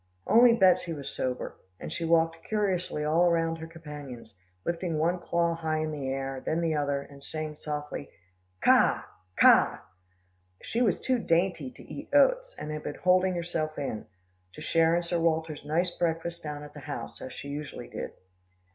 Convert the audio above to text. Only Betsy was sober, and she walked curiously all round her companions, lifting one claw high in the air, then the other, and saying softly, "Ka! Ka!" She was too dainty to eat oats, and had been holding herself in, to share in Sir Walter's nice breakfast down at the house, as she usually did.